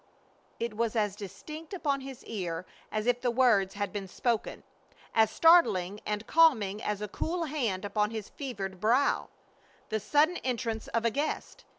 It was as distinct upon his ear as if the words had been spoken; as startling and calming as a cool hand upon his fevered brow; the sudden entrance of a guest.